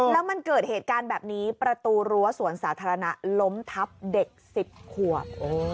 แล้วมันเกิดเหตุการณ์แบบนี้ประตูรั้วสวนสาธารณะล้มทับเด็ก๑๐ขวบ